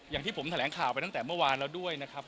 อย่างที่ผมแถลงข่าวไปตั้งแต่เมื่อวานแล้วด้วยนะครับ